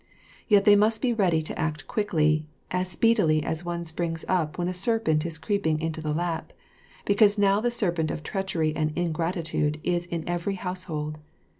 Yet they must be ready to act quickly, as speedily as one springs up when a serpent is creeping into the lap, because now the serpent of treachery and ingratitude is in every household.